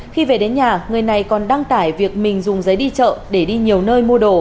khi về đến nhà người này còn đăng tải việc mình dùng giấy đi chợ để đi nhiều nơi mua đồ